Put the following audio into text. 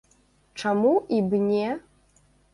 Чаму і б не?